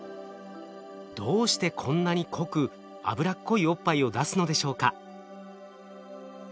どうしてこんなに濃く脂っこいおっぱいを出すのでしょうか？